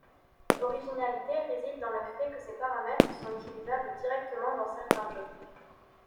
L'originalité réside dans le fait que ces paramètres sont utilisables directement dans certains jeux.